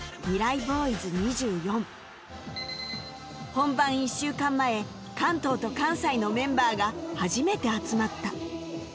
本番１週間前関東と関西のメンバーが初めて集まった